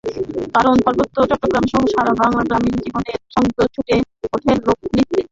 কারণ, পার্বত্য চট্টগ্রামসহ সারা বাংলার গ্রামীণ জীবনের ছন্দ ফুটে ওঠে লোকনৃত্যে।